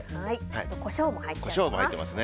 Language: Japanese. コショウも入ってます。